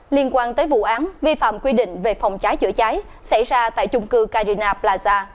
liên quan tới vụ án vi phạm quy định về phòng cháy chữa cháy xảy ra tại chung cư carina plaza